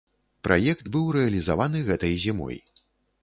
Праект быў рэалізаваны гэтай зімой.